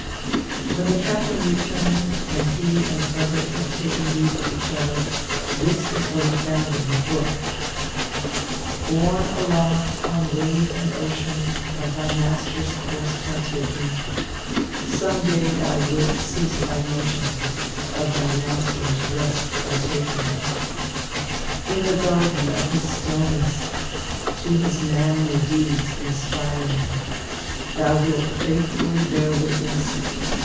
When the captain returned and he and Frederick had taken leave of each other, this is what he found in his book: Borne aloft on wave and ocean, Of thy master's course partaking, Some day thou wilt cease thy motion, Of thy master's rest partaking. In the garden of his stillness, To his manly deeds inspiring, Thou wilt faithfully bear witness.